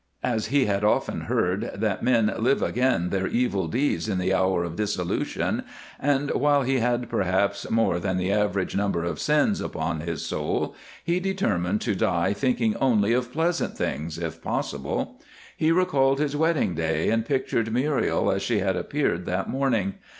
As he had often heard that men live again their evil deeds in the hour of dissolution, and while he had perhaps more than the average number of sins upon his soul, he determined to die thinking only of pleasant things, if possible. He recalled his wedding day, and pictured Muriel as she had appeared that morning.